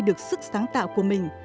được sức sáng tạo của mình